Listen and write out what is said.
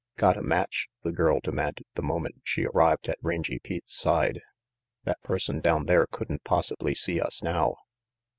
"Got a match?" the girl demanded the moment she arrived at Rangy Pete's side. "That person down there couldn't possibly see us now."